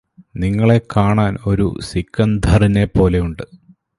നിങ്ങളെ കാണാൻ ഒരു സിക്കന്ധറിനെ പോലെയുണ്ട്